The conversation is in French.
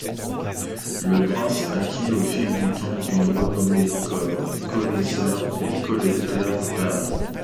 Le prince acquit au fil du temps une renommée comme connaisseur et collectionneur d'art.